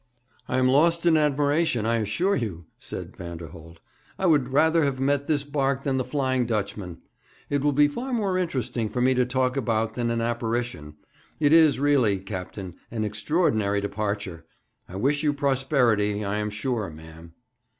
'I am lost in admiration, I assure you,' said Vanderholt. 'I would rather have met this barque than the Flying Dutchman. It will be far more interesting to me to talk about than an apparition. It is really, captain, an extraordinary departure! I wish you prosperity, I am sure, ma'am.'